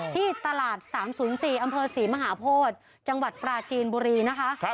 ที่ตลาด๓๐๔อำเภอศรีมหาโพธิจังหวัดปราจีนบุรีนะคะ